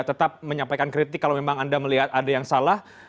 tetap menyampaikan kritik kalau memang anda melihat ada yang salah